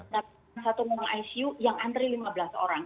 nah satu mall icu yang antri lima belas orang